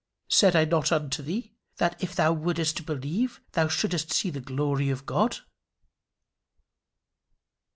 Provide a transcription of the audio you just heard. "Said I not unto thee, that if thou wouldest believe, thou shouldest see the glory of God?"